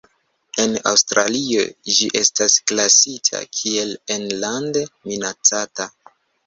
En Aŭstralio ĝi estas klasita kiel enlande minacata.